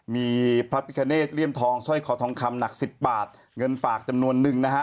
มีพระพิคเนตเลี่ยมทองสร้อยคอทองคำหนักสิบบาทเงินฝากจำนวนนึงนะฮะ